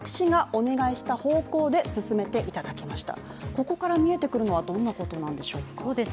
ここから見えてくるのはどんなことなんでしょうか？